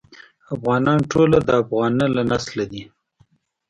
افغانان ټول د افغنه له نسله دي.